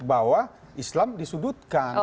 bahwa islam disudutkan